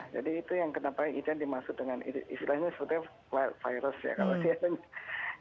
jadi itu yang kenapa ijan dimaksud dengan istilahnya seperti wild virus ya kalau siapanya